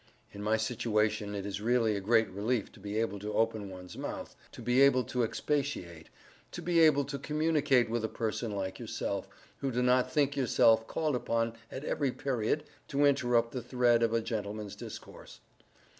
In my situation it is really a great relief to be able to open ones mouth—to be able to expatiate—to be able to communicate with a person like yourself, who do not think yourself called upon at every period to interrupt the thread of a gentleman's discourse.